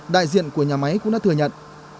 đại diện của nhà máy cũng đã thừa nhận